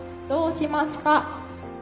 どうしますか？」。